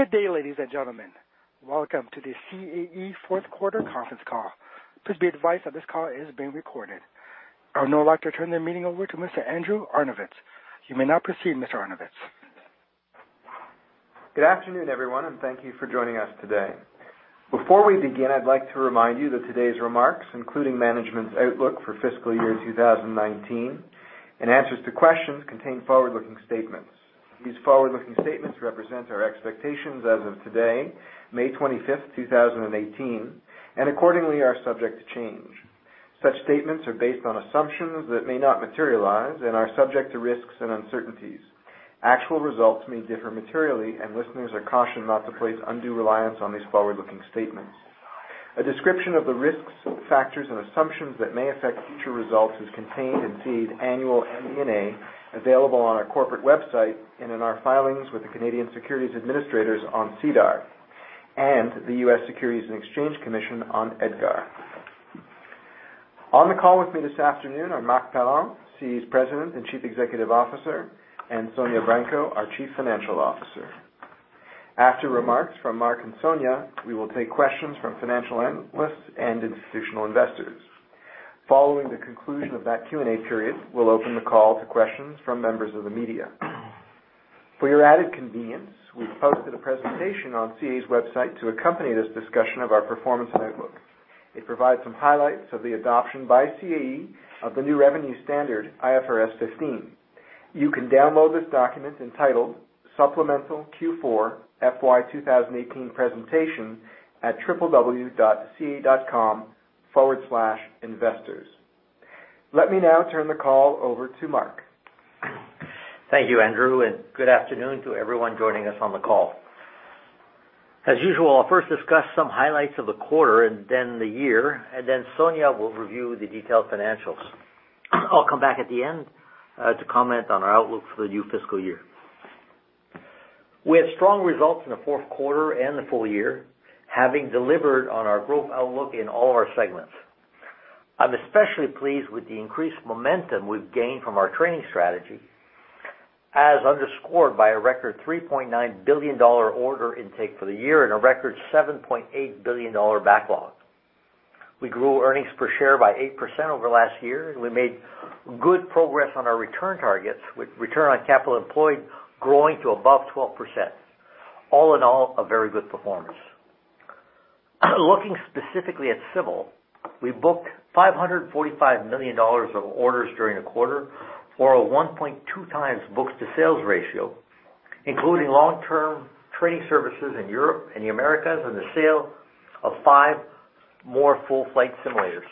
Good day, ladies and gentlemen. Welcome to the CAE fourth quarter conference call. Please be advised that this call is being recorded. I would now like to turn the meeting over to Mr. Andrew Arnovitz. You may now proceed, Mr. Arnovitz. Good afternoon, everyone. Thank you for joining us today. Before we begin, I'd like to remind you that today's remarks, including management's outlook for fiscal year 2019 and answers to questions, contain forward-looking statements. These forward-looking statements represent our expectations as of today, May 25, 2018, accordingly are subject to change. Such statements are based on assumptions that may not materialize and are subject to risks and uncertainties. Actual results may differ materially, listeners are cautioned not to place undue reliance on these forward-looking statements. A description of the risks, factors, and assumptions that may affect future results is contained in CAE's annual MD&A, available on our corporate website and in our filings with the Canadian Securities Administrators on SEDAR and the U.S. Securities and Exchange Commission on EDGAR. On the call with me this afternoon are Marc Parent, CAE's President and Chief Executive Officer, and Sonya Branco, our Chief Financial Officer. After remarks from Marc and Sonya, we will take questions from financial analysts and institutional investors. Following the conclusion of that Q&A period, we'll open the call to questions from members of the media. For your added convenience, we've posted a presentation on CAE's website to accompany this discussion of our performance outlook. It provides some highlights of the adoption by CAE of the new revenue standard, IFRS 15. You can download this document entitled Supplemental Q4 FY 2018 Presentation at www.cae.com/investors. Let me now turn the call over to Marc. Thank you, Andrew. Good afternoon to everyone joining us on the call. As usual, I'll first discuss some highlights of the quarter, then the year, then Sonya will review the detailed financials. I'll come back at the end to comment on our outlook for the new fiscal year. We had strong results in the fourth quarter and the full year, having delivered on our growth outlook in all our segments. I'm especially pleased with the increased momentum we've gained from our training strategy, as underscored by a record 3.9 billion dollar order intake for the year and a record 7.8 billion dollar backlog. We grew earnings per share by 8% over last year, we made good progress on our return targets, with return on capital employed growing to above 12%. All in all, a very good performance. Looking specifically at Civil, we booked 545 million dollars of orders during the quarter, or a 1.2 times book-to-sales ratio, including long-term training services in Europe and the Americas, and the sale of five more full-flight simulators.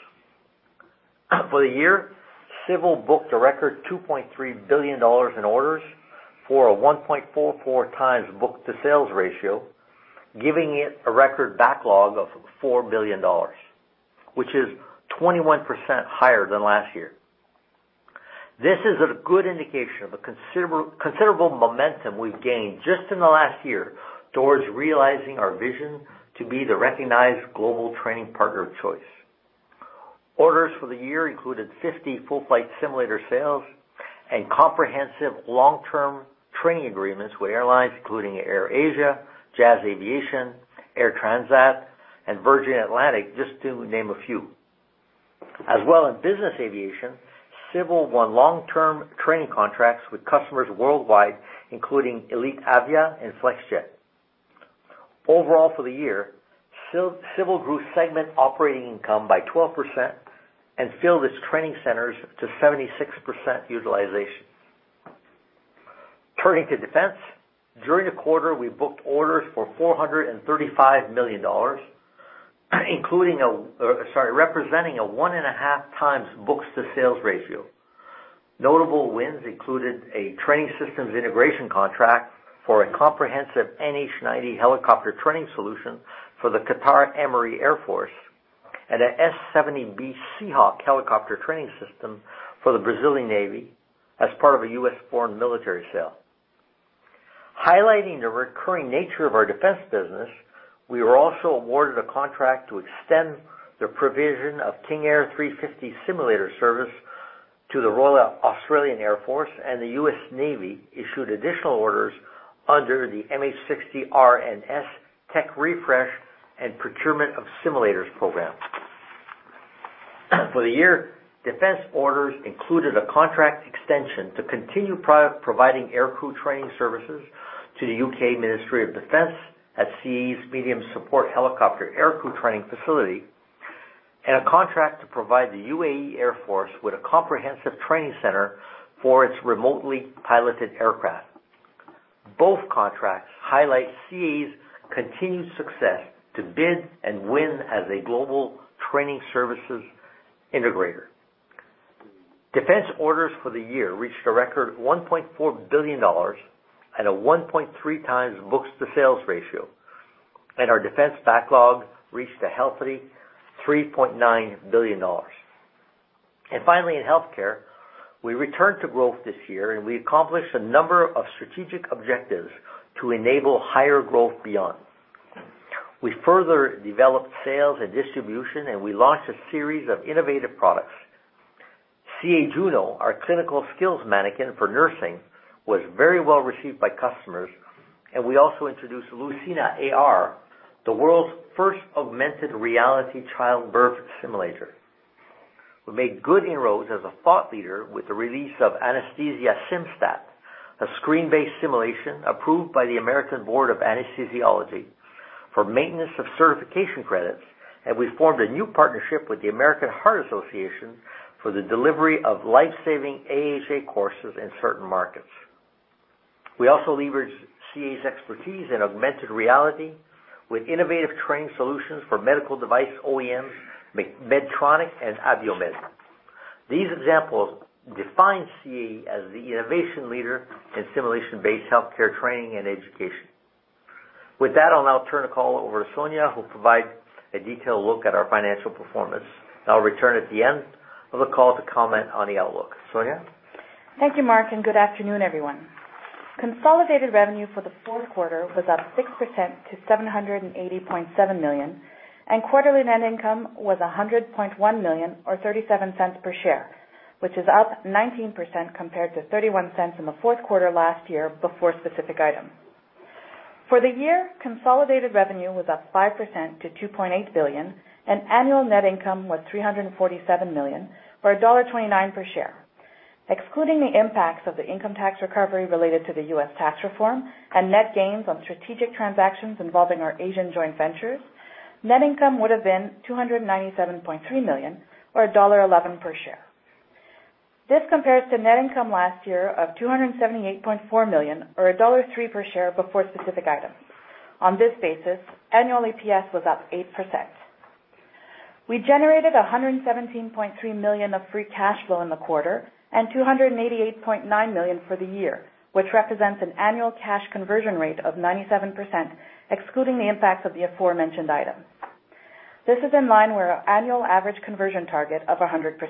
For the year, Civil booked a record 2.3 billion dollars in orders for a 1.44 times book-to-sales ratio, giving it a record backlog of 4 billion dollars, which is 21% higher than last year. This is a good indication of a considerable momentum we've gained just in the last year towards realizing our vision to be the recognized global training partner of choice. Orders for the year included 50 full-flight simulator sales and comprehensive long-term training agreements with airlines including AirAsia, Jazz Aviation, Air Transat, and Virgin Atlantic, just to name a few. As well in business aviation, Civil won long-term training contracts with customers worldwide, including Elit'Avia and Flexjet. Overall for the year, Civil grew segment operating income by 12% and filled its training centers to 76% utilization. Turning to Defense, during the quarter, we booked orders for 435 million dollars, representing a 1.5 times book-to-sales ratio. Notable wins included a training systems integration contract for a comprehensive NH90 helicopter training solution for the Qatar Emiri Air Force and an S-70B Seahawk helicopter training system for the Brazilian Navy as part of a U.S. Foreign Military Sale. Highlighting the recurring nature of our defense business, we were also awarded a contract to extend the provision of King Air 350 simulator service to the Royal Australian Air Force, and the U.S. Navy issued additional orders under the MH-60R/S tech refresh and procurement of simulators program. For the year, defense orders included a contract extension to continue providing aircrew training services to the U.K. Ministry of Defence at CAE's Medium Support Helicopter Aircrew Training Facility, and a contract to provide the UAE Air Force with a comprehensive training center for its remotely piloted aircraft. Both contracts highlight CAE's continued success to bid and win as a global training services integrator. Defense orders for the year reached a record 1.4 billion dollars at a 1.3 times book-to-sales ratio, and our defense backlog reached a healthy 3.9 billion dollars. And finally, in healthcare, we returned to growth this year, and we accomplished a number of strategic objectives to enable higher growth beyond. We further developed sales and distribution, and we launched a series of innovative products. CAE Juno, our clinical skills manikin for nursing, was very well received by customers, and we also introduced LucinaAR, the world's first augmented reality childbirth simulator. We made good inroads as a thought leader with the release of Anesthesia SimSTAT, a screen-based simulation approved by The American Board of Anesthesiology for maintenance of certification credits, and we formed a new partnership with the American Heart Association for the delivery of life-saving AHA courses in certain markets. We also leveraged CAE's expertise in augmented reality with innovative training solutions for medical device OEMs, Medtronic and Abiomed. These examples define CAE as the innovation leader in simulation-based healthcare training and education. With that, I'll now turn the call over to Sonya, who'll provide a detailed look at our financial performance. I'll return at the end of the call to comment on the outlook. Sonya? Thank you, Marc, good afternoon, everyone. Consolidated revenue for the fourth quarter was up 6% to 780.7 million, and quarterly net income was 100.1 million, or 0.37 per share, which is up 19% compared to 0.31 in the fourth quarter last year before specific items. For the year, consolidated revenue was up 5% to 2.8 billion, and annual net income was 347 million, or dollar 1.29 per share. Excluding the impacts of the income tax recovery related to the U.S. tax reform and net gains on strategic transactions involving our Asian joint ventures, net income would've been 297.3 million, or dollar 1.11 per share. This compares to net income last year of 278.4 million, or dollar 1.03 per share before specific items. On this basis, annual EPS was up 8%. We generated 117.3 million of free cash flow in the quarter and 288.9 million for the year, which represents an annual cash conversion rate of 97%, excluding the impacts of the aforementioned items. This is in line with our annual average conversion target of 100%.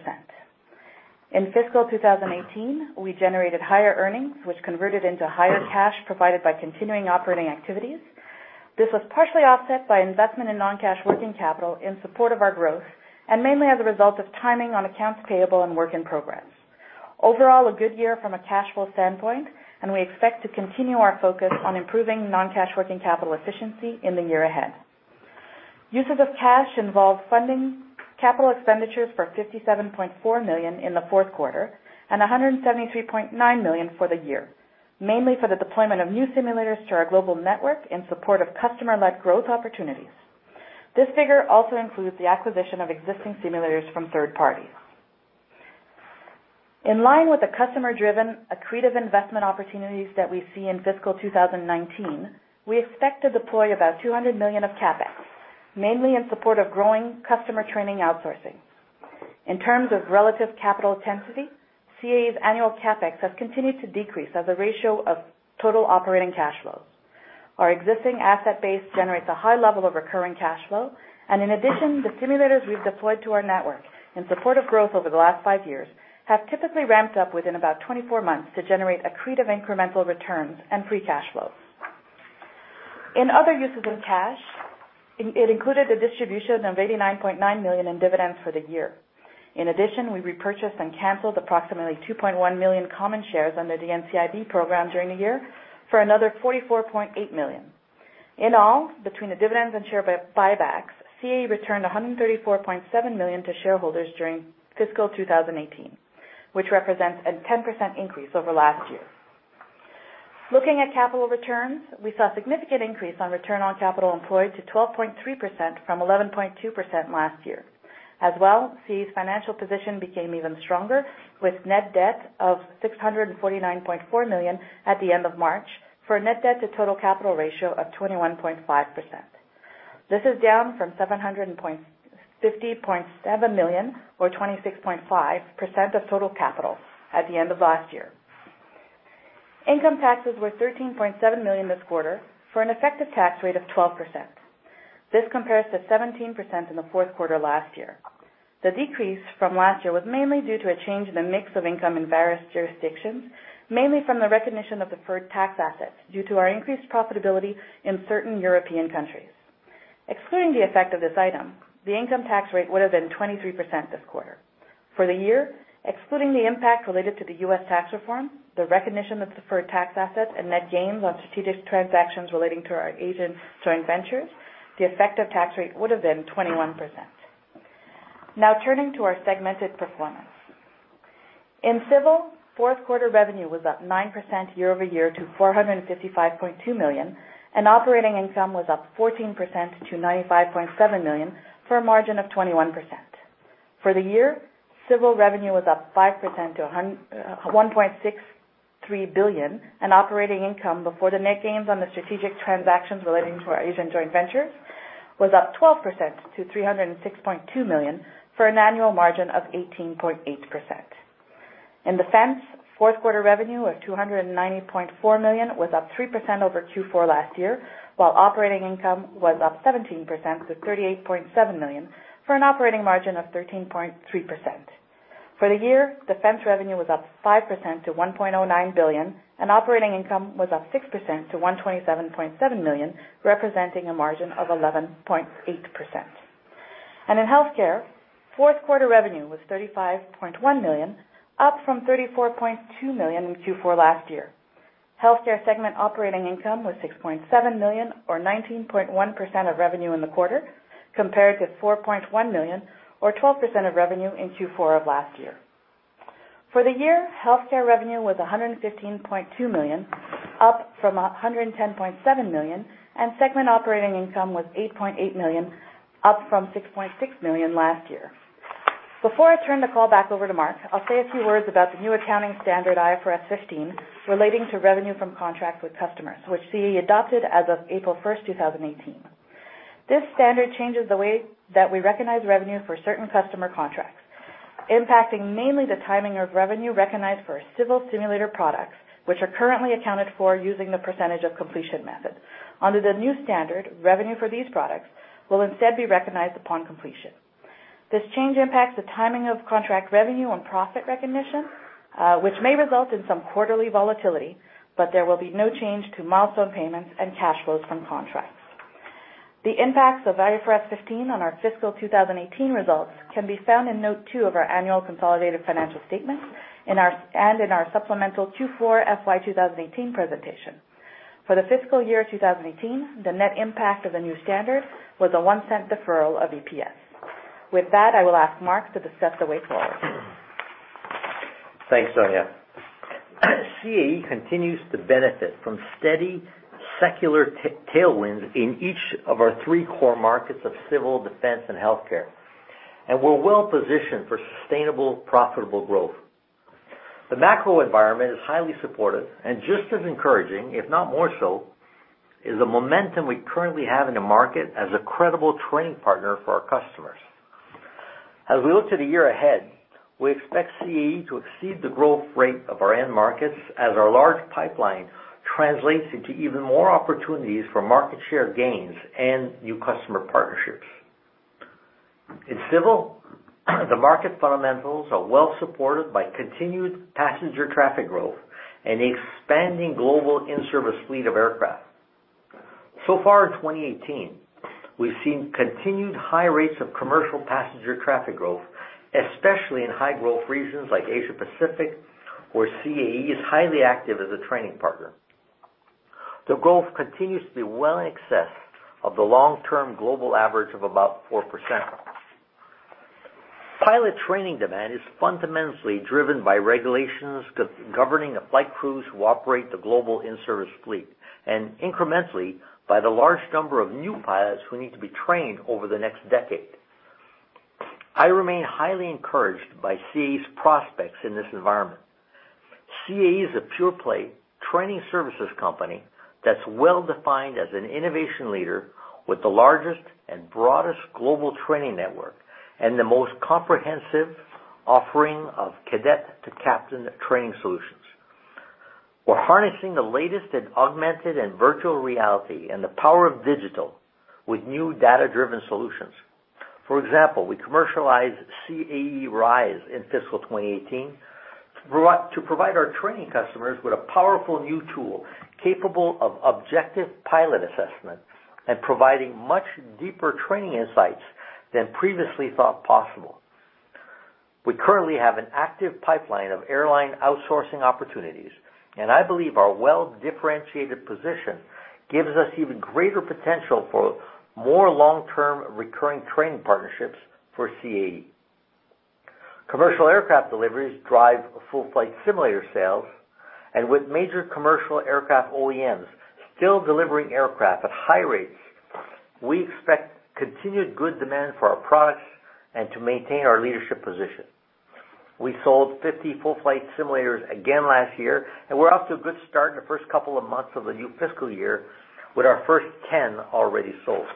In fiscal 2018, we generated higher earnings, which converted into higher cash provided by continuing operating activities. This was partially offset by investment in non-cash working capital in support of our growth, and mainly as a result of timing on accounts payable and work in progress. Overall, a good year from a cash flow standpoint, and we expect to continue our focus on improving non-cash working capital efficiency in the year ahead. Uses of cash involved funding capital expenditures for 57.4 million in the fourth quarter and 173.9 million for the year, mainly for the deployment of new simulators to our global network in support of customer-led growth opportunities. This figure also includes the acquisition of existing simulators from third parties. In line with the customer-driven accretive investment opportunities that we see in fiscal 2019, we expect to deploy about 200 million of CapEx, mainly in support of growing customer training outsourcing. In terms of relative capital intensity, CAE's annual CapEx has continued to decrease as a ratio of total operating cash flows. Our existing asset base generates a high level of recurring cash flow. In addition, the simulators we've deployed to our network in support of growth over the last five years have typically ramped up within about 24 months to generate accretive incremental returns and free cash flows. In other uses of cash, it included a distribution of 89.9 million in dividends for the year. In addition, we repurchased and canceled approximately 2.1 million common shares under the NCIB program during the year for another 44.8 million. In all, between the dividends and share buybacks, CAE returned 134.7 million to shareholders during fiscal 2018, which represents a 10% increase over last year. Looking at capital returns, we saw a significant increase on return on capital employed to 12.3% from 11.2% last year. As well, CAE's financial position became even stronger with net debt of 649.4 million at the end of March for a net debt to total capital ratio of 21.5%. This is down from 750.7 million, or 26.5% of total capital at the end of last year. Income taxes were 13.7 million this quarter for an effective tax rate of 12%. This compares to 17% in the fourth quarter last year. The decrease from last year was mainly due to a change in the mix of income in various jurisdictions, mainly from the recognition of deferred tax assets due to our increased profitability in certain European countries. Excluding the effect of this item, the income tax rate would have been 23% this quarter. For the year, excluding the impact related to the U.S. tax reform, the recognition of deferred tax assets, and net gains on strategic transactions relating to our Asian joint ventures, the effective tax rate would've been 21%. Now, turning to our segmented performance. In Civil, fourth quarter revenue was up 9% year-over-year to 455.2 million, and operating income was up 14% to 95.7 million, for a margin of 21%. For the year, Civil revenue was up 5% to 1.63 billion, and operating income before the net gains on the strategic transactions relating to our Asian joint ventures was up 12% to 306.2 million, for an annual margin of 18.8%. In Defense, fourth quarter revenue of 290.4 million was up 3% over Q4 last year, while operating income was up 17% to 38.7 million, for an operating margin of 13.3%. For the year, Defense revenue was up 5% to 1.09 billion, and operating income was up 6% to 127.7 million, representing a margin of 11.8%. In Healthcare, fourth quarter revenue was 35.1 million, up from 34.2 million in Q4 last year. Healthcare segment operating income was 6.7 million, or 19.1% of revenue in the quarter, compared to 4.1 million, or 12% of revenue in Q4 of last year. For the year, Healthcare revenue was 115.2 million, up from 110.7 million, and segment operating income was 8.8 million, up from 6.6 million last year. Before I turn the call back over to Marc, I'll say a few words about the new accounting standard, IFRS 15, relating to revenue from contracts with customers, which CAE adopted as of April 1st, 2018. This standard changes the way that we recognize revenue for certain customer contracts, impacting mainly the timing of revenue recognized for our Civil simulator products, which are currently accounted for using the percentage of completion method. Under the new standard, revenue for these products will instead be recognized upon completion. This change impacts the timing of contract revenue on profit recognition, which may result in some quarterly volatility, but there will be no change to milestone payments and cash flows from contracts. The impacts of IFRS 15 on our fiscal 2018 results can be found in note two of our annual consolidated financial statement and in our supplemental Q4 FY 2018 presentation. For the fiscal year 2018, the net impact of the new standard was a CAD 0.01 deferral of EPS. With that, I will ask Marc to discuss the way forward. Thanks, Sonya. CAE continues to benefit from steady secular tailwinds in each of our three core markets of civil, defense, and healthcare, We're well-positioned for sustainable, profitable growth. The macro environment is highly supportive, Just as encouraging, if not more so, is the momentum we currently have in the market as a credible training partner for our customers. We look to the year ahead, we expect CAE to exceed the growth rate of our end markets as our large pipeline translates into even more opportunities for market share gains and new customer partnerships. In civil, the market fundamentals are well supported by continued passenger traffic growth and expanding global in-service fleet of aircraft. Far in 2018, we've seen continued high rates of commercial passenger traffic growth, especially in high growth regions like Asia-Pacific, where CAE is highly active as a training partner. The growth continues to be well in excess of the long-term global average of about 4%. Pilot training demand is fundamentally driven by regulations governing the flight crews who operate the global in-service fleet, Incrementally, by the large number of new pilots who need to be trained over the next decade. I remain highly encouraged by CAE's prospects in this environment. CAE is a pure-play training services company that's well-defined as an innovation leader with the largest and broadest global training network and the most comprehensive offering of cadet to captain training solutions. We're harnessing the latest in augmented and virtual reality and the power of digital with new data-driven solutions. For example, we commercialized CAE RISE in fiscal 2018 to provide our training customers with a powerful new tool capable of objective pilot assessment and providing much deeper training insights than previously thought possible. We currently have an active pipeline of airline outsourcing opportunities, I believe our well-differentiated position gives us even greater potential for more long-term recurring training partnerships for CAE. Commercial aircraft deliveries drive full-flight simulator sales, With major commercial aircraft OEMs still delivering aircraft at high rates, we expect continued good demand for our products and to maintain our leadership position. We sold 50 full-flight simulators again last year, We're off to a good start in the first couple of months of the new fiscal year with our first 10 already sold.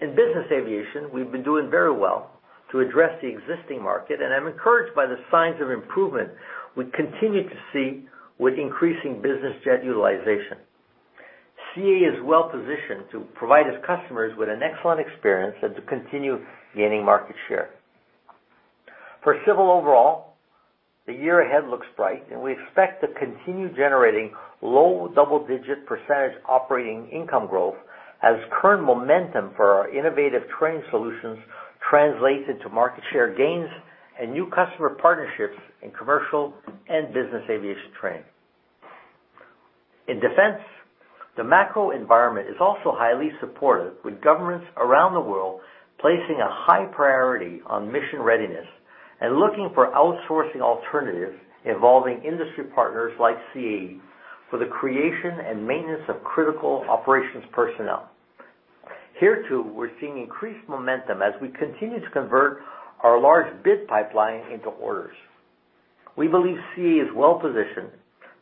In business aviation, we've been doing very well to address the existing market, I'm encouraged by the signs of improvement we continue to see with increasing business jet utilization. CAE is well-positioned to provide its customers with an excellent experience and to continue gaining market share. For civil overall, the year ahead looks bright, We expect to continue generating low double-digit % operating income growth as current momentum for our innovative training solutions translates into market share gains and new customer partnerships in commercial and business aviation training. In defense, the macro environment is also highly supportive, with governments around the world placing a high priority on mission readiness and looking for outsourcing alternatives involving industry partners like CAE for the creation and maintenance of critical operations personnel. Here, too, we're seeing increased momentum as we continue to convert our large bid pipeline into orders. We believe CAE is well-positioned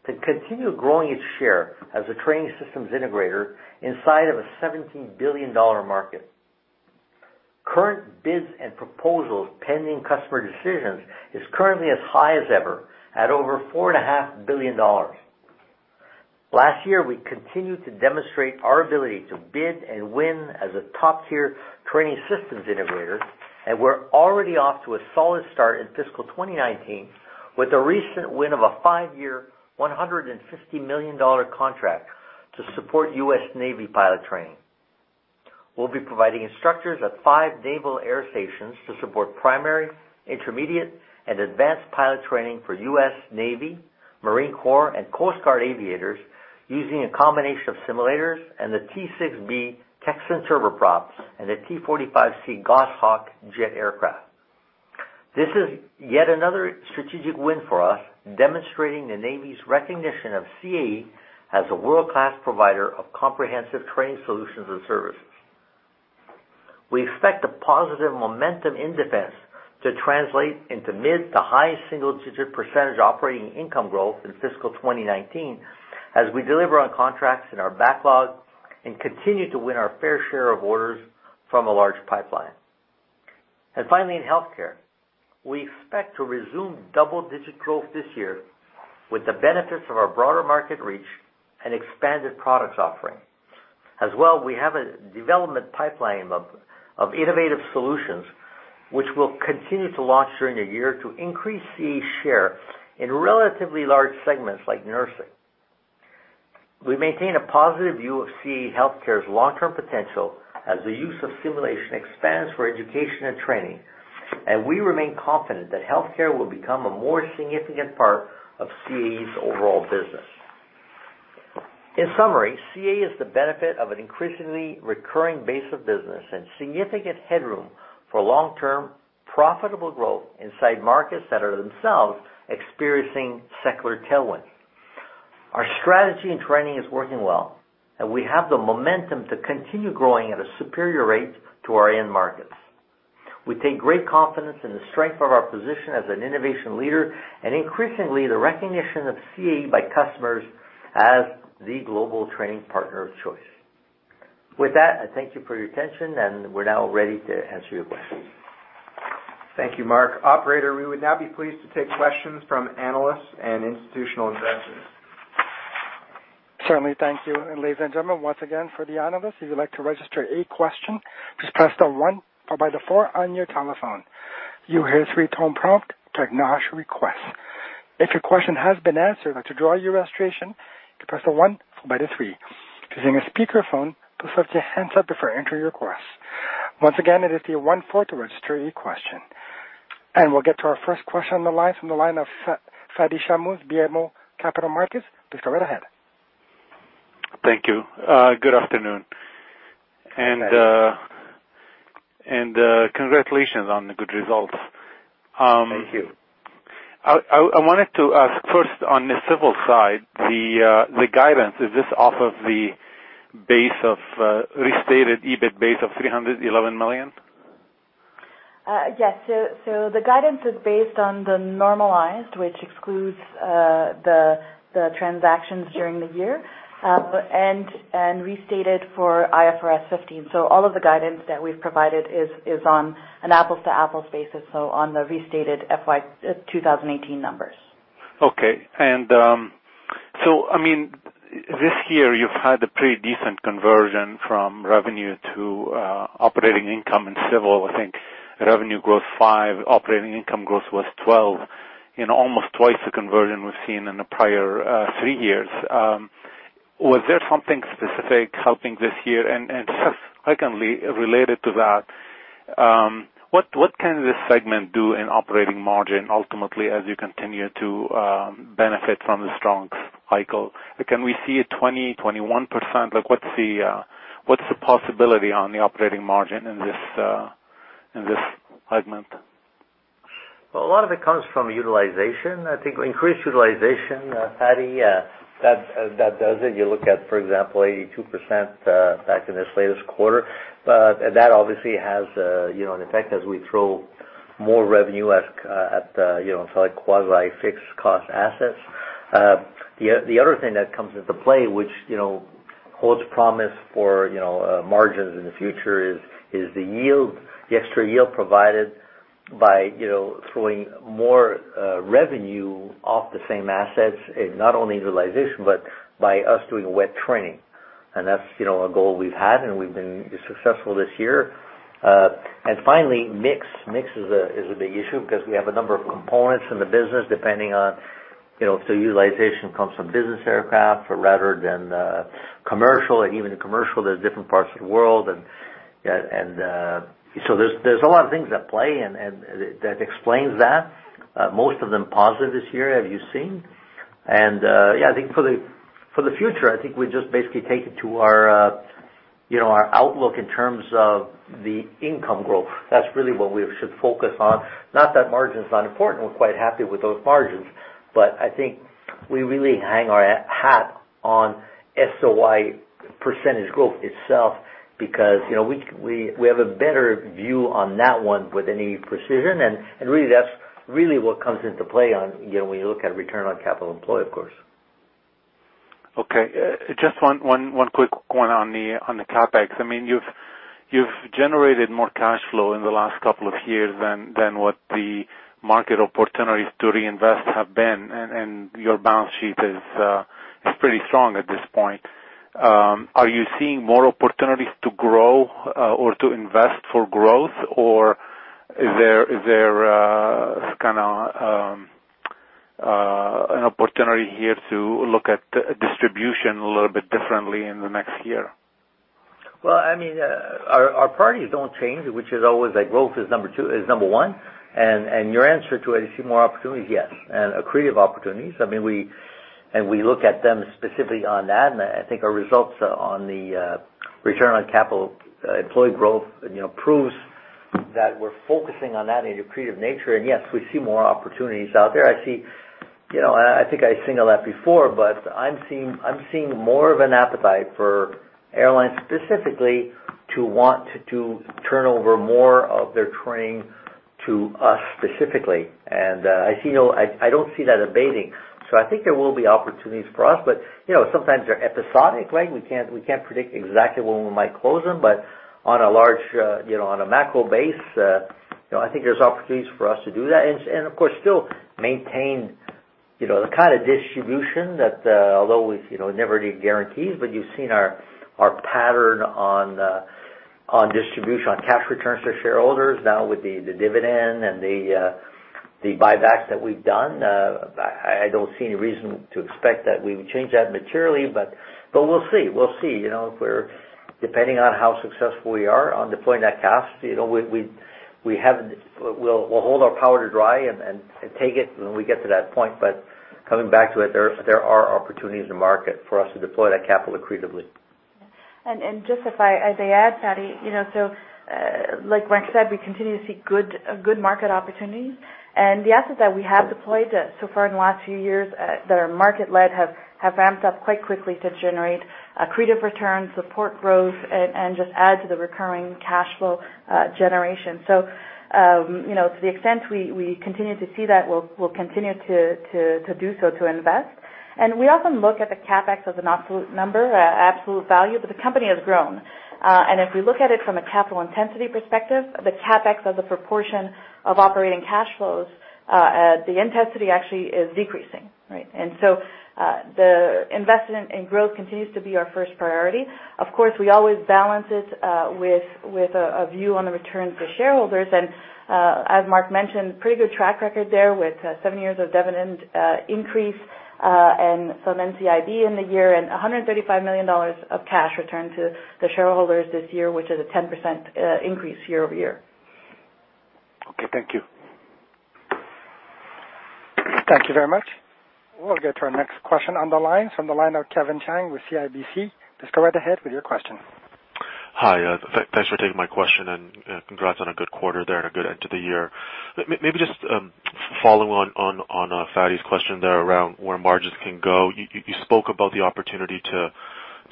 to continue growing its share as a training systems integrator inside of a 17 billion dollar market. Current bids and proposals pending customer decisions is currently as high as ever at over 4.5 billion dollars. Last year, we continued to demonstrate our ability to bid and win as a top-tier training systems integrator, and we're already off to a solid start in fiscal 2019 with the recent win of a five-year, $150 million contract to support U.S. Navy pilot training. We'll be providing instructors at five naval air stations to support primary, intermediate, and advanced pilot training for U.S. Navy, Marine Corps, and Coast Guard aviators using a combination of simulators and the T-6B Texan turboprops and the T-45C Goshawk jet aircraft. This is yet another strategic win for us, demonstrating the Navy's recognition of CAE as a world-class provider of comprehensive training solutions and services. We expect the positive momentum in defense to translate into mid to high single-digit % operating income growth in fiscal 2019 as we deliver on contracts in our backlog and continue to win our fair share of orders from a large pipeline. Finally, in healthcare, we expect to resume double-digit growth this year with the benefits of our broader market reach and expanded product offering. As well, we have a development pipeline of innovative solutions which we'll continue to launch during the year to increase CAE share in relatively large segments like nursing. We maintain a positive view of CAE Healthcare's long-term potential as the use of simulation expands for education and training, and we remain confident that healthcare will become a more significant part of CAE's overall business. In summary, CAE is the benefit of an increasingly recurring base of business and significant headroom for long-term profitable growth inside markets that are themselves experiencing secular tailwinds. Our strategy in training is working well, and we have the momentum to continue growing at a superior rate to our end markets. We take great confidence in the strength of our position as an innovation leader and increasingly the recognition of CAE by customers as the global training partner of choice. With that, I thank you for your attention, and we're now ready to answer your questions. Thank you, Marc. Operator, we would now be pleased to take questions from analysts and institutional investors. Certainly. Thank you. Ladies and gentlemen, once again, for the analysts, if you'd like to register a question, just press the one followed by the four on your telephone. You'll hear a three-tone prompt to acknowledge your request. If your question has been answered, or to withdraw your registration, you can press the one followed by the three. If you're using a speakerphone, please mute your handset before entering your request. Once again, it is the one, four to register your question. We'll get to our first question on the line from the line of Fadi Chamoun, BMO Capital Markets. Please go right ahead. Thank you. Good afternoon. Good afternoon. Congratulations on the good results. Thank you. I wanted to ask first on the civil side, the guidance, is this off of the restated EBIT base of 311 million? Yes. The guidance is based on the normalized, which excludes the transactions during the year, and restated for IFRS 15. All of the guidance that we've provided is on an apples-to-apples basis, on the restated FY 2018 numbers. Okay. This year you've had a pretty decent conversion from revenue to operating income and civil. I think revenue growth 5%, operating income growth was 12% in almost twice the conversion we've seen in the prior three years. Was there something specific helping this year? Secondly, related to that, what can this segment do in operating margin ultimately as you continue to benefit from the strong cycle? Can we see a 20%-21%? What's the possibility on the operating margin in this segment? Well, a lot of it comes from utilization. I think increased utilization, Fadi, that does it. You look at, for example, 82% back in this latest quarter. That obviously has an effect as we throw more revenue at quasi-fixed cost assets. The other thing that comes into play, which holds promise for margins in the future is the extra yield provided by throwing more revenue off the same assets in not only utilization, but by us doing wet training. That's a goal we've had, and we've been successful this year. Finally, mix. Mix is a big issue because we have a number of components in the business depending on if the utilization comes from business aircraft rather than commercial. Even in commercial, there's different parts of the world. There's a lot of things at play, and that explains that. Most of them positive this year, as you've seen. Yeah, I think for the future, I think we just basically take it to our outlook in terms of the income growth. That's really what we should focus on. Not that margin's not important. We're quite happy with those margins. I think we really hang our hat on SOI % growth itself because we have a better view on that one with any precision. Really that's really what comes into play when you look at return on capital employed, of course. Okay. Just one quick one on the CapEx. You've generated more cash flow in the last couple of years than what the market opportunities to reinvest have been. Your balance sheet is pretty strong at this point. Are you seeing more opportunities to grow or to invest for growth, or is there an opportunity here to look at distribution a little bit differently in the next year? Well, our priorities don't change, which is always that growth is number one, your answer to it, I see more opportunities, yes, and accretive opportunities. We look at them specifically on that, I think our results on the return on capital employed growth proves that we're focusing on that in an accretive nature. Yes, we see more opportunities out there. I think I signaled that before, I'm seeing more of an appetite for airlines specifically to want to turn over more of their training to us specifically. I don't see that abating. I think there will be opportunities for us. Sometimes they're episodic. We can't predict exactly when we might close them, on a macro base, I think there's opportunities for us to do that. Of course, still maintain the kind of distribution that, although it's never any guarantees, but you've seen our pattern on distribution, on cash returns for shareholders now with the dividend and the buybacks that we've done. I don't see any reason to expect that we would change that materially, but we'll see. Depending on how successful we are on deploying that cash, we'll hold our powder dry and take it when we get to that point. Coming back to it, there are opportunities in the market for us to deploy that capital accretively. Just if I may add, Fadi, like Marc said, we continue to see a good market opportunity. The assets that we have deployed so far in the last few years that are market-led have ramped up quite quickly to generate accretive returns, support growth, and just add to the recurring cash flow generation. To the extent we continue to see that, we'll continue to do so to invest. We often look at the CapEx as an absolute number, absolute value, but the company has grown. If we look at it from a capital intensity perspective, the CapEx as a proportion of operating cash flows, the intensity actually is decreasing. The investment in growth continues to be our first priority. Of course, we always balance it with a view on the return to shareholders. As Marc mentioned, pretty good track record there with seven years of dividend increase and some NCIB in the year and 135 million dollars of cash returned to the shareholders this year, which is a 10% increase year-over-year. Okay. Thank you. Thank you very much. We'll get to our next question on the line from the line of Kevin Chiang with CIBC. Just go right ahead with your question. Hi, thanks for taking my question, and congrats on a good quarter there and a good end to the year. Maybe just following on Fadi's question there around where margins can go. You spoke about the opportunity to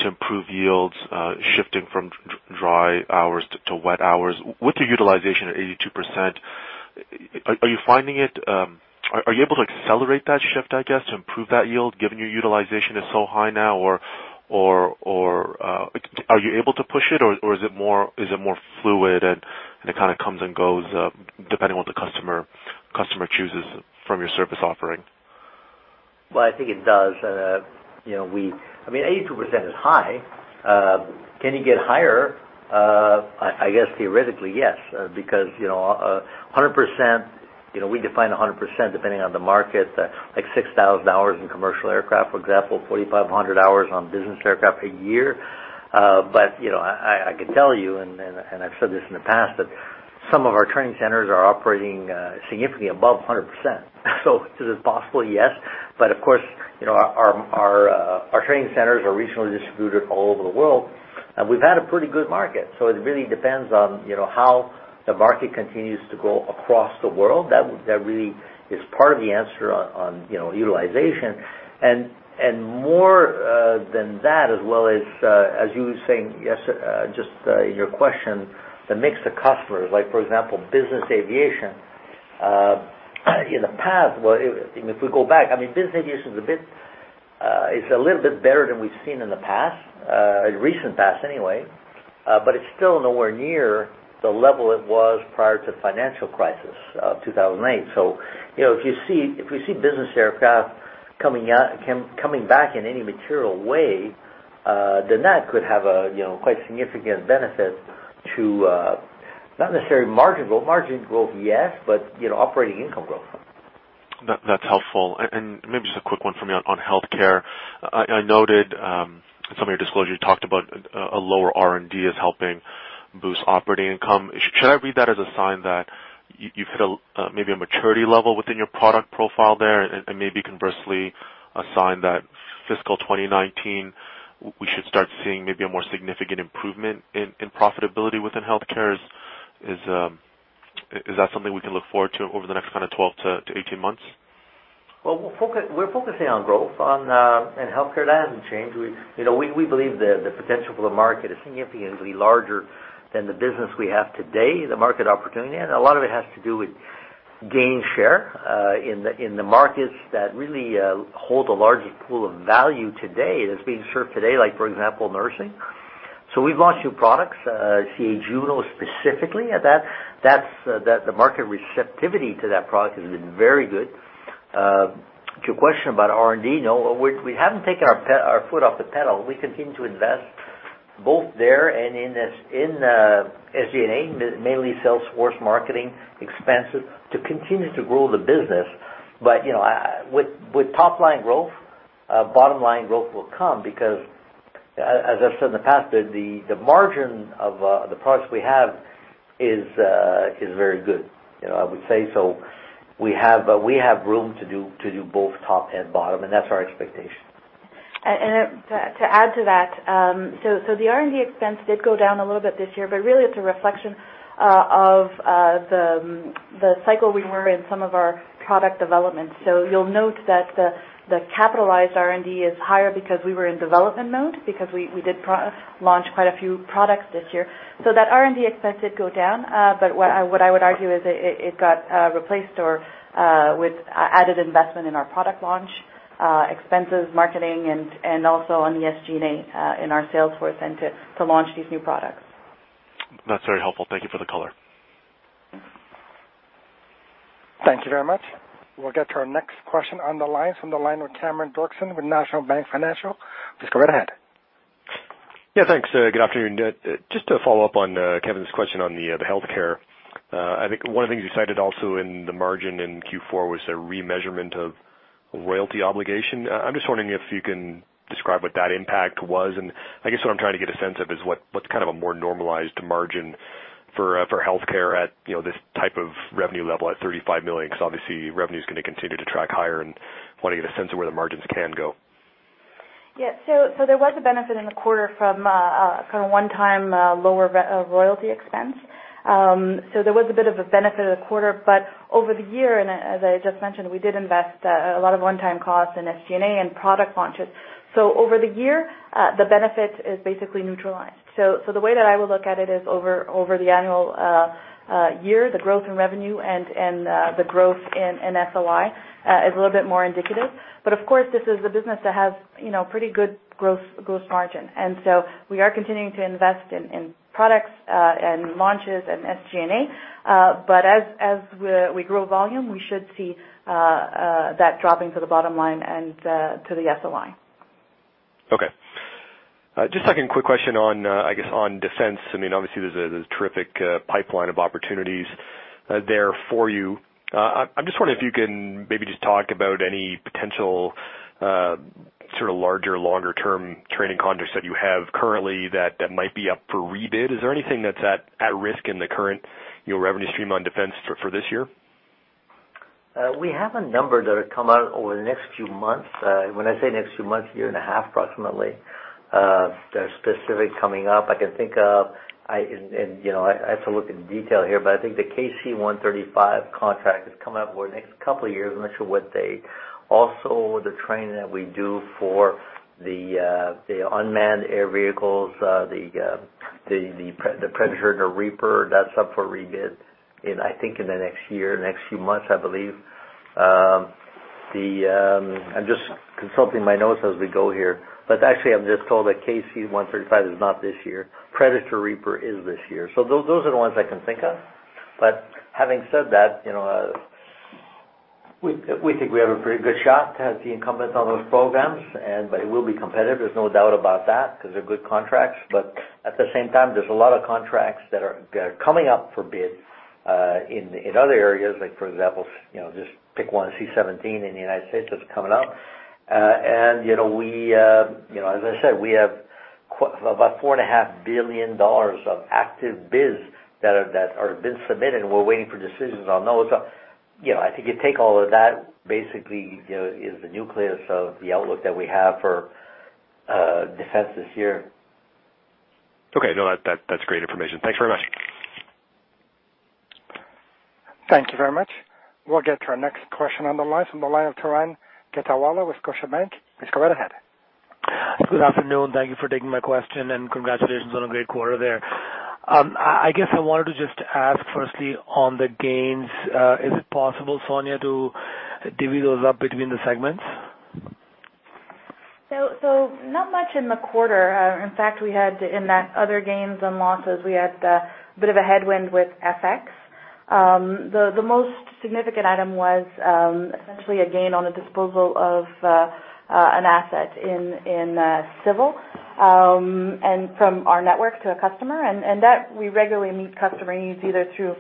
improve yields, shifting from dry hours to wet hours. With the utilization at 82%, are you able to accelerate that shift, I guess, to improve that yield, given your utilization is so high now? Are you able to push it, or is it more fluid, and it kind of comes and goes depending on what the customer chooses from your service offering? Well, I think it does. 82% is high. Can you get higher? I guess theoretically, yes. 100%, we define 100% depending on the market, like 6,000 hours in commercial aircraft, for example, 4,500 hours on business aircraft a year. I could tell you, and I've said this in the past, that some of our training centers are operating significantly above 100%. Is it possible? Yes. Of course, our training centers are regionally distributed all over the world, and we've had a pretty good market. It really depends on how the market continues to grow across the world. That really is part of the answer on utilization. More than that, as well as, you were saying just in your question, the mix of customers, like for example, business aviation. In the past, if we go back, business aviation is a little bit better than we've seen in the past, recent past anyway. It's still nowhere near the level it was prior to the financial crisis of 2008. If we see business aircraft coming back in any material way, that could have a quite significant benefit to, not necessarily margin growth. Margin growth, yes, but operating income growth. That's helpful. Maybe just a quick one from me on healthcare. I noted in some of your disclosure, you talked about a lower R&D is helping boost operating income. Should I read that as a sign that you've hit maybe a maturity level within your product profile there and maybe conversely, a sign that fiscal 2019, we should start seeing maybe a more significant improvement in profitability within healthcare? Is that something we can look forward to over the next 12 to 18 months? Well, we're focusing on growth in healthcare. That hasn't changed. We believe the potential for the market is significantly larger than the business we have today, the market opportunity. A lot of it has to do with gain share in the markets that really hold the largest pool of value today, that's being served today, like for example, nursing. We've launched new products, CAE Juno specifically. The market receptivity to that product has been very good. To your question about R&D, no, we haven't taken our foot off the pedal. We continue to invest both there and in SG&A, mainly sales force, marketing expenses, to continue to grow the business. With top-line growth, bottom-line growth will come, because as I've said in the past, the margin of the products we have is very good, I would say. We have room to do both top and bottom, and that's our expectation. To add to that, the R&D expense did go down a little bit this year, but really it's a reflection of the cycle we were in, some of our product development. You'll note that the capitalized R&D is higher because we were in development mode because we did launch quite a few products this year. That R&D expense did go down. What I would argue is it got replaced with added investment in our product launch, expenses, marketing, and also on the SG&A in our sales force and to launch these new products. That's very helpful. Thank you for the color. Thank you very much. We'll get to our next question on the line with Cameron Doerksen with National Bank Financial. Please go right ahead. Yeah, thanks. Good afternoon. Just to follow up on Kevin's question on the healthcare. I think one of the things you cited also in the margin in Q4 was a remeasurement of royalty obligation. I'm just wondering if you can describe what that impact was, and I guess what I'm trying to get a sense of is what's kind of a more normalized margin for healthcare at this type of revenue level at 35 million, because obviously revenue's going to continue to track higher and want to get a sense of where the margins can go. Yeah. There was a benefit in the quarter from a one-time lower royalty expense. There was a bit of a benefit of the quarter, but over the year, and as I just mentioned, we did invest a lot of one-time costs in SG&A and product launches. Over the year, the benefit is basically neutralized. The way that I would look at it is over the annual year, the growth in revenue and the growth in SOI is a little bit more indicative. Of course, this is a business that has pretty good growth margin. We are continuing to invest in products, and launches, and SG&A. As we grow volume, we should see that dropping to the bottom line and to the SOI. Okay. Just second quick question on, I guess, on defense. Obviously there's a terrific pipeline of opportunities there for you. I'm just wondering if you can maybe just talk about any potential sort of larger, longer-term training contracts that you have currently that might be up for rebid. Is there anything that's at risk in the current revenue stream on defense for this year? We have a number that will come out over the next few months. When I say next few months, a year and a half, approximately. There's specific coming up. I have to look into detail here. I think the KC-135 contract is coming up over the next couple of years. I'm not sure what they. The training that we do for the unmanned air vehicles, the Predator and the Reaper, that's up for rebid in, I think, in the next year, next few months, I believe. I'm just consulting my notes as we go here. I'm just told that KC-135 is not this year. Predator, Reaper is this year. Those are the ones I can think of. Having said that, we think we have a pretty good shot as the incumbents on those programs, but it will be competitive, there's no doubt about that, because they're good contracts. At the same time, there's a lot of contracts that are coming up for bid in other areas. For example, just pick one, a C-17 in the U.S. that's coming up. As I said, we have about 4.5 billion dollars of active bids that have been submitted, and we're waiting for decisions on those. I think if you take all of that, basically is the nucleus of the outlook that we have for defense this year. Okay. That's great information. Thanks very much. Thank you very much. We'll get to our next question on the line from the line of Taran Khetawala with Scotiabank. Please go right ahead. Good afternoon. Thank you for taking my question, and congratulations on a great quarter there. I guess I wanted to just ask firstly on the gains, is it possible, Sonya, to divvy those up between the segments? Not much in the quarter. In fact, we had in that other gains and losses, we had a bit of a headwind with FX. The most significant item was essentially a gain on the disposal of an asset in Civil and from our network to a customer, and that we regularly meet customer needs, either through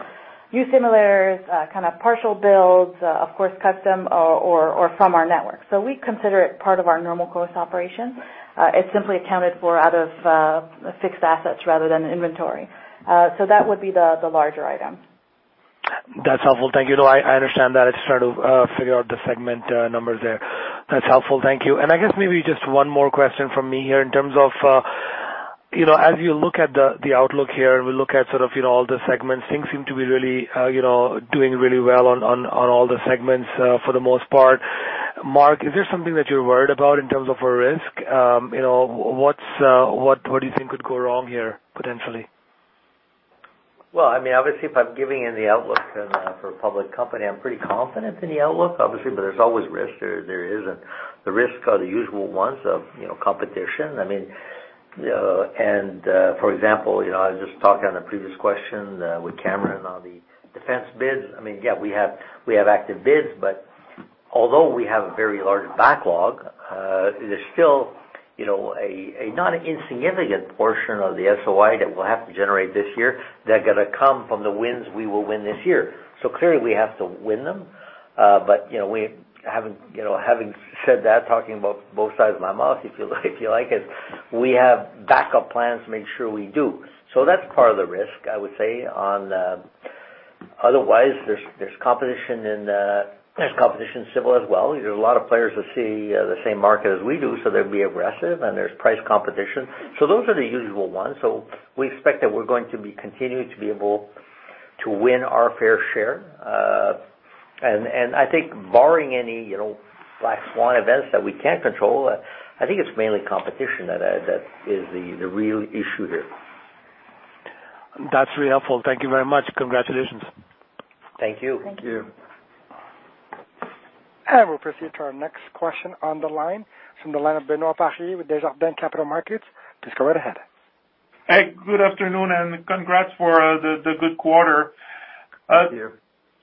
new simulators, kind of partial builds, of course custom, or from our network. We consider it part of our normal course operations. It's simply accounted for out of fixed assets rather than inventory. That would be the larger item. That's helpful. Thank you. No, I understand that. I just try to figure out the segment numbers there. That's helpful. Thank you. I guess maybe just one more question from me here in terms of, as you look at the outlook here and we look at sort of all the segments, things seem to be really doing really well on all the segments for the most part. Marc, is there something that you're worried about in terms of a risk? What do you think could go wrong here, potentially? Well, obviously, if I'm giving in the outlook for a public company, I'm pretty confident in the outlook, obviously, but there's always risk. There isn't. The risks are the usual ones of competition. For example, I was just talking on the previous question with Cameron on the defense bids. Yeah, we have active bids, but although we have a very large backlog, there's still a not insignificant portion of the SOI that we'll have to generate this year that going to come from the wins we will win this year. Clearly we have to win them. Having said that, talking about both sides of my mouth, if you like it, we have backup plans to make sure we do. That's part of the risk, I would say. Otherwise, there's competition in civil as well. There's a lot of players that see the same market as we do, so they'll be aggressive and there's price competition. Those are the usual ones. We expect that we're going to be continuing to be able to win our fair share. I think barring any black swan events that we can't control, I think it's mainly competition that is the real issue here. That's really helpful. Thank you very much. Congratulations. Thank you. Thank you. We'll proceed to our next question on the line from the line of Benoit Poirier with Desjardins Capital Markets. Please go right ahead. Hey, good afternoon and congrats for the good quarter. Thank you.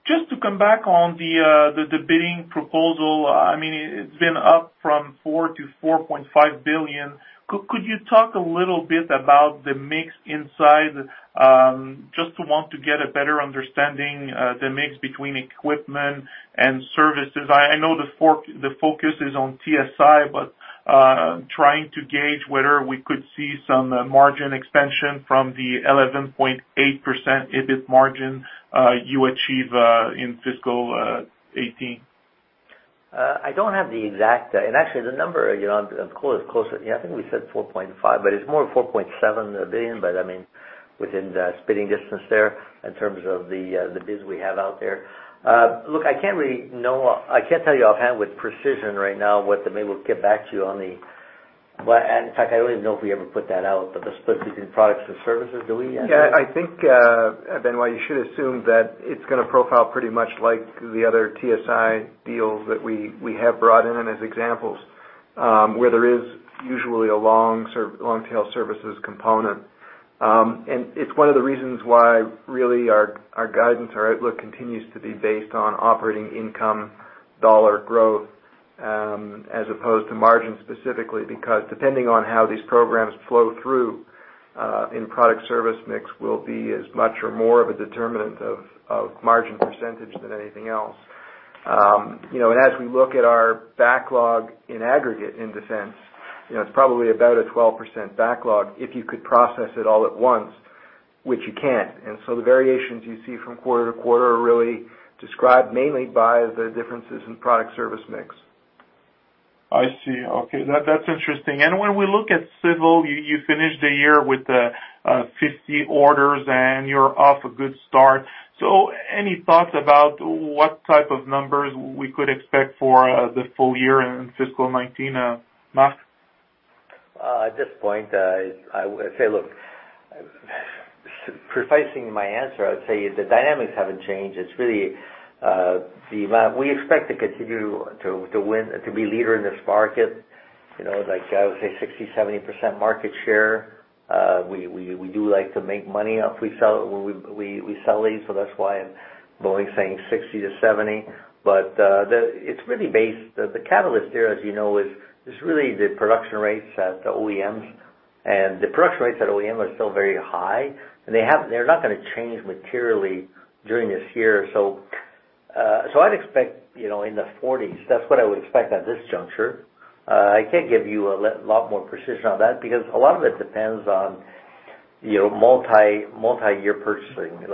Just to come back on the bidding proposal, it's been up from 4 billion to 4.5 billion. Could you talk a little bit about the mix inside? Just to want to get a better understanding the mix between equipment and services. I know the focus is on TSI, but trying to gauge whether we could see some margin expansion from the 11.8% EBIT margin you achieve in fiscal 2018. I don't have the exact, actually the number, I think we said 4.5 billion, but it's more 4.7 billion, but within spitting distance there in terms of the bids we have out there. Look, I can't tell you offhand with precision right now. In fact, I don't even know if we ever put that out, but the split between products and services. Do we? Yeah, I think, Benoit, you should assume that it's going to profile pretty much like the other TSI deals that we have brought in as examples, where there is usually a long tail services component. It's one of the reasons why really our guidance, our outlook continues to be based on operating income dollar growth as opposed to margin specifically, because depending on how these programs flow through in product service mix will be as much or more of a determinant of margin percentage than anything else. As we look at our backlog in aggregate in defense, it's probably about a 12% backlog if you could process it all at once, which you can't. The variations you see from quarter to quarter are really described mainly by the differences in product service mix. I see. Okay. That's interesting. When we look at civil, you finished the year with 50 orders and you're off a good start. Any thoughts about what type of numbers we could expect for the full year in fiscal 2019, Marc? At this point, I would say, look, prefacing my answer, I would say the dynamics haven't changed. We expect to continue to win and to be leader in this market, like I would say 60%-70% market share. We do like to make money off. We sell these, so that's why I'm only saying 60 to 70. The catalyst here as you know is really the production rates at the OEMs, and the production rates at OEM are still very high, and they're not going to change materially during this year. I'd expect in the 40s. That's what I would expect at this juncture. I can't give you a lot more precision on that because a lot of it depends on multi-year purchasing.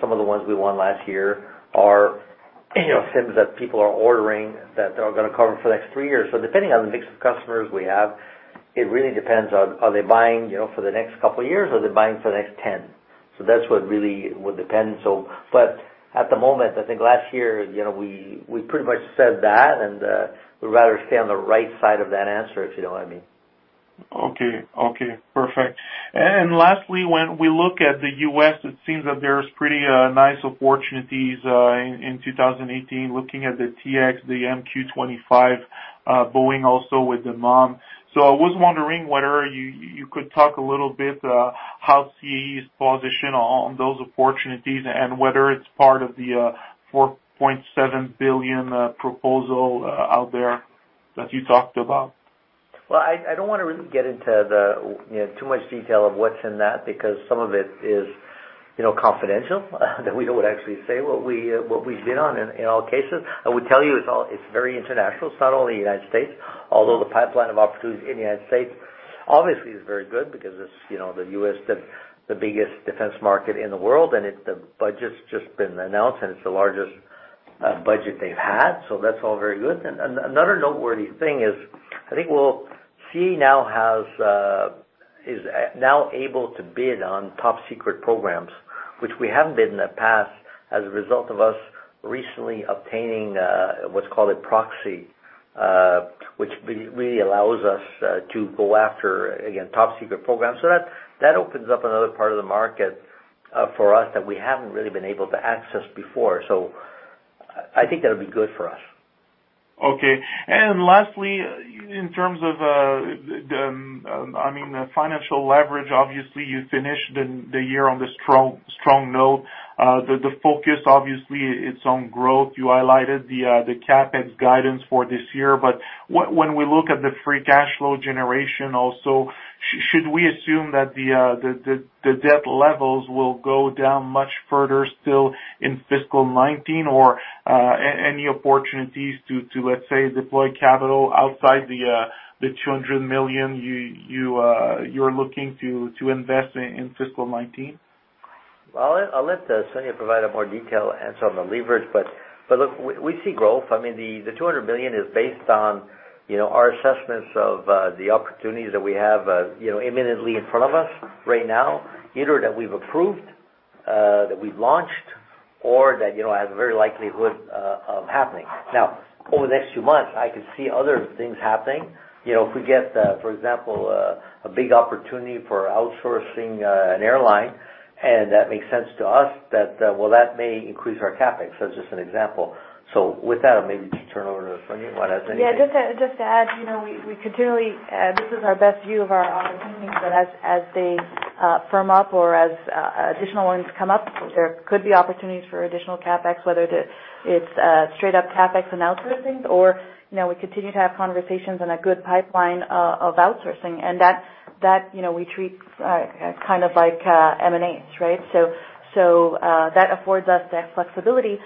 Some of the ones we won last year are things that people are ordering that they're going to cover for the next 3 years. Depending on the mix of customers we have, it really depends, are they buying for the next couple of years or are they buying for the next 10? That's what really would depend. At the moment, I think last year, we pretty much said that, and we'd rather stay on the right side of that answer, if you know what I mean. Okay. Perfect. Lastly, when we look at the U.S., it seems that there's pretty nice opportunities in 2018 looking at the T-X, the MQ-25, Boeing also with the Middle of the Market. I was wondering whether you could talk a little bit how CAE is positioned on those opportunities and whether it's part of the 4.7 billion proposal out there that you talked about. I don't want to really get into too much detail of what's in that because some of it is confidential, that we don't actually say what we bid on in all cases. I would tell you it's very international. It's not only United States, although the pipeline of opportunities in the United States obviously is very good because the U.S., the biggest defense market in the world, and the budget's just been announced, and it's the largest budget they've had. That's all very good. Another noteworthy thing is CAE is now able to bid on top secret programs, which we haven't been in the past as a result of us recently obtaining what's called a proxy, which really allows us to go after, again, top secret programs. That opens up another part of the market for us that we haven't really been able to access before. I think that'll be good for us. Okay. Lastly, in terms of the financial leverage, obviously, you finished the year on a strong note. The focus, obviously, it's on growth. You highlighted the CapEx guidance for this year, but when we look at the free cash flow generation also, should we assume that the debt levels will go down much further still in fiscal 2019, or any opportunities to, let's say, deploy capital outside the 200 million you're looking to invest in fiscal 2019? I'll let Sonya provide a more detailed answer on the leverage. Look, we see growth. The 200 million is based on our assessments of the opportunities that we have imminently in front of us right now, either that we've approved, that we've launched, or that have a very likelihood of happening. Over the next few months, I could see other things happening. If we get, for example, a big opportunity for outsourcing an airline, and that makes sense to us, well, that may increase our CapEx. That's just an example. With that, I'll maybe just turn it over to Sonya. What else? Anything? Yeah, just to add, this is our best view of our opportunities, but as they firm up or as additional ones come up, there could be opportunities for additional CapEx, whether it's straight up CapEx and outsourcing, or we continue to have conversations and a good pipeline of outsourcing. That we treat like M&A, right? That affords us that flexibility,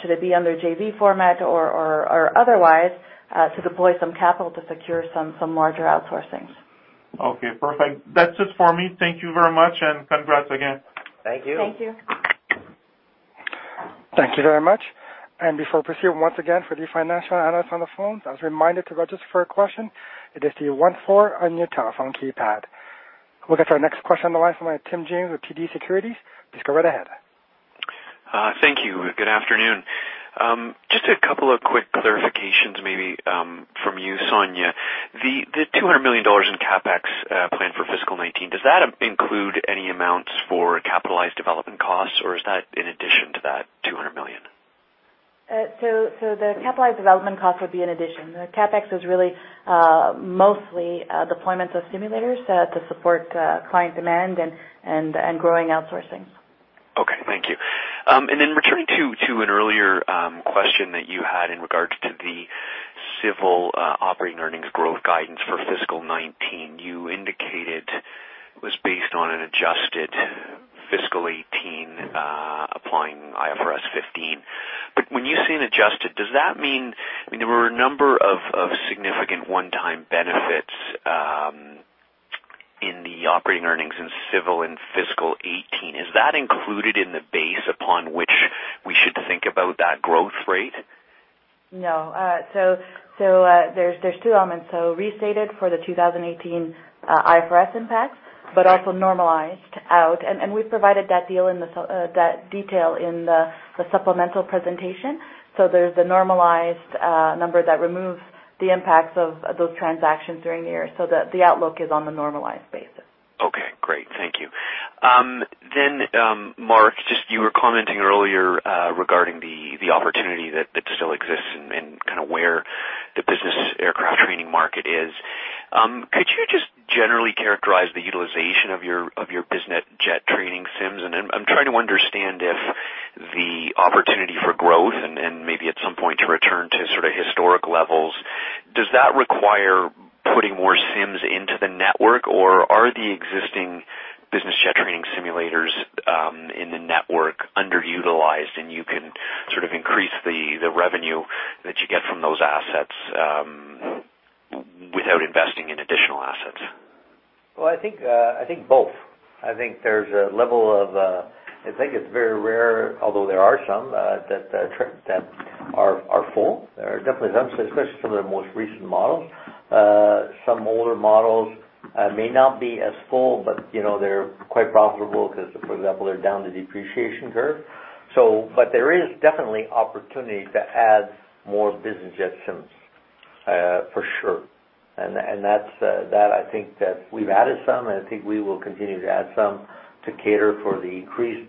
should it be under JV format or otherwise, to deploy some capital to secure some larger outsourcings. Okay, perfect. That's it for me. Thank you very much, congrats again. Thank you. Thank you. Thank you very much. Before we proceed, once again, for the financial analysts on the phone, as a reminder to register a question, it is the one-four on your telephone keypad. We'll get to our next question on the line from Tim James with TD Securities. Please go right ahead. Thank you. Good afternoon. Just a couple of quick clarifications maybe from you, Sonya. The 200 million dollars in CapEx plan for fiscal 2019, does that include any amounts for capitalized development costs, or is that in addition to that 200 million? The capitalized development cost would be an addition. The CapEx is really mostly deployments of simulators to support client demand and growing outsourcing. Okay. Thank you. Returning to an earlier question that you had in regards to the civil operating earnings growth guidance for fiscal 2019. You indicated it was based on an adjusted fiscal 2018 applying IFRS 15. When you say an adjusted, does that mean there were a number of significant one-time benefits in the operating earnings in civil and fiscal 2018? Is that included in the base upon which we should think about that growth rate? No. There's two elements. Restated for the 2018 IFRS impacts, but also normalized out. We've provided that detail in the supplemental presentation. There's the normalized number that removes the impacts of those transactions during the year so that the outlook is on the normalized basis. Okay, great. Thank you. Marc, you were commenting earlier regarding the opportunity that still exists and where the business aircraft training market is. Could you just generally characterize the utilization of your business jet training sims? I'm trying to understand if the opportunity for growth and maybe at some point to return to sort of historic levels, does that require putting more sims into the network, or are the existing business jet training simulators in the network underutilized and you can sort of increase the revenue that you get from those assets without investing in additional assets? Well, I think both. I think it's very rare, although there are some that are full. There are definitely some, especially some of the most recent models. Some older models may not be as full, but they're quite profitable because, for example, they're down the depreciation curve. There is definitely opportunity to add more business jet sims, for sure. That I think that we've added some, and I think we will continue to add some to cater for the increased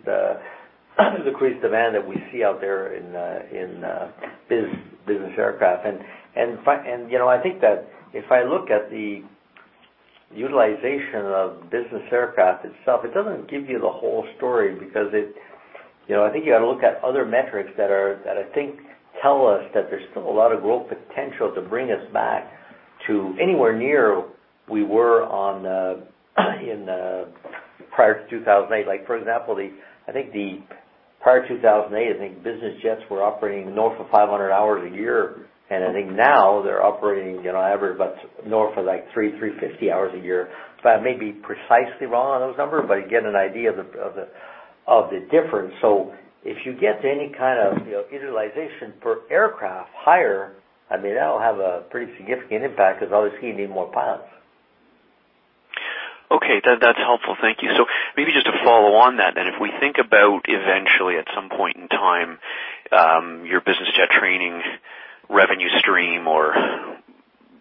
demand that we see out there in business aircraft. I think that if I look at the utilization of business aircraft itself, it doesn't give you the whole story because I think you got to look at other metrics that I think tell us that there's still a lot of growth potential to bring us back to anywhere near we were prior to 2008. For example, I think prior to 2008, I think business jets were operating north of 500 hours a year, and I think now they're operating north of 300, 350 hours a year. I may be precisely wrong on those numbers, but again, an idea of the difference. If you get any kind of utilization per aircraft higher, that'll have a pretty significant impact because obviously you need more pilots. Okay, that's helpful. Thank you. Maybe just to follow on that then, if we think about eventually at some point in time, your business jet training revenue stream or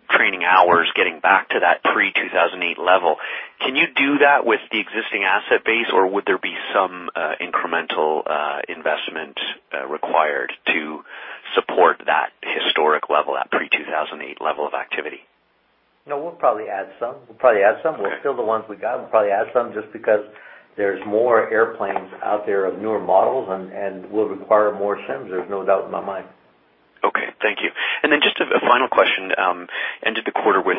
training hours getting back to that pre-2008 level, can you do that with the existing asset base, or would there be some incremental investment required to support that historic level, that pre-2008 level of activity? We'll probably add some. We'll keep the ones we got and we'll probably add some, just because there's more airplanes out there of newer models and we'll require more sims. There's no doubt in my mind. Okay, thank you. Just a final question. Ended the quarter with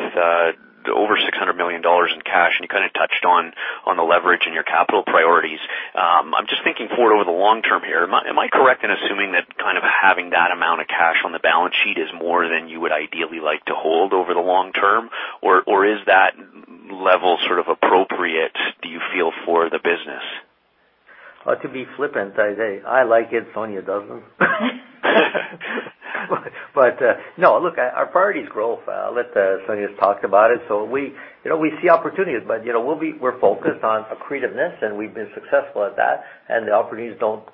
over 600 million dollars in cash, and you touched on the leverage in your capital priorities. I'm just thinking forward over the long term here. Am I correct in assuming that having that amount of cash on the balance sheet is more than you would ideally like to hold over the long term? Or is that level appropriate, do you feel, for the business? To be flippant, I say I like it, Sonya doesn't. No, look, our priority is growth. Let Sonya talk about it. We see opportunities, but we're focused on accretiveness, and we've been successful at that. The opportunities don't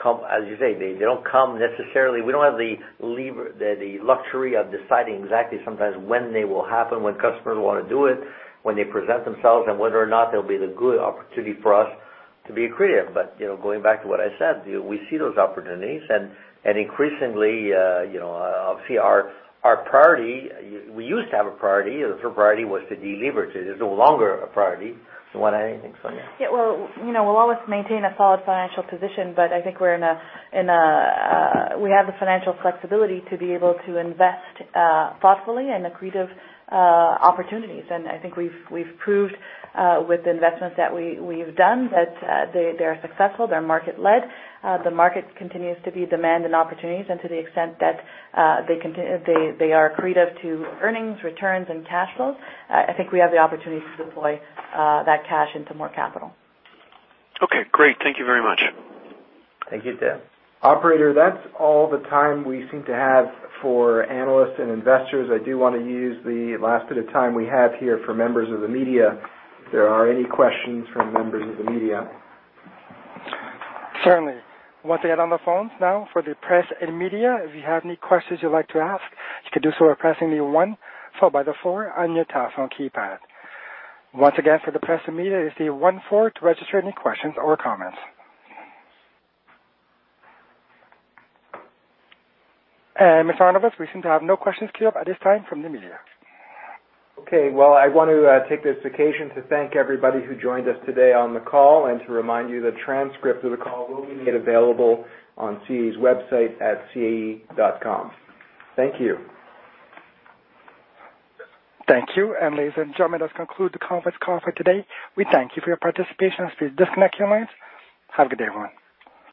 come, as you say, they don't come necessarily. We don't have the luxury of deciding exactly sometimes when they will happen, when customers want to do it, when they present themselves, and whether or not they'll be the good opportunity for us to be accretive. Going back to what I said, we see those opportunities and increasingly, obviously our priority, we used to have a priority. The priority was to deleverage. It is no longer a priority. You want to add anything, Sonya? Yeah. We'll always maintain a solid financial position, but I think we have the financial flexibility to be able to invest thoughtfully in accretive opportunities. I think we've proved with the investments that we've done that they are successful, they're market led. The market continues to be demand and opportunities, and to the extent that they are accretive to earnings, returns, and cash flows, I think we have the opportunity to deploy that cash into more capital. Okay, great. Thank you very much. Thank you, Tim. Operator, that's all the time we seem to have for analysts and investors. I do want to use the last bit of time we have here for members of the media. If there are any questions from members of the media. Certainly. Once again, on the phones now for the press and media, if you have any questions you'd like to ask, you can do so by pressing the one followed by the four on your telephone keypad. Once again, for the press and media, it's the one four to register any questions or comments. Mr. Arnovitz, we seem to have no questions queued up at this time from the media. Okay. Well, I want to take this occasion to thank everybody who joined us today on the call and to remind you the transcript of the call will be made available on CAE's website at cae.com. Thank you. Thank you. Ladies and gentlemen, this conclude the conference call for today. We thank you for your participation. Please disconnect your lines. Have a good day, everyone.